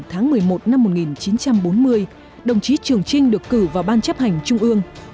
tháng một mươi một năm một nghìn chín trăm bốn mươi đồng chí trường trinh được cử vào ban chấp hành trung ương